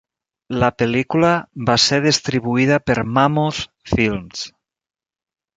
La pel·lícula va ser distribuïda per Mammoth Films.